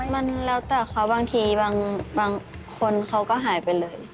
มันแล้วแต่เขาบางทีบางคนเขาก็หายไปเลย